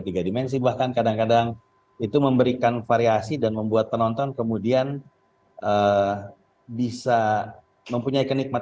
tiga dimensi bahkan kadang kadang itu memberikan variasi dan membuat penonton kemudian bisa mempunyai kenikmatan